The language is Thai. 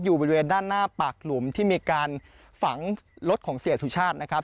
บริเวณด้านหน้าปากหลุมที่มีการฝังรถของเสียสุชาตินะครับ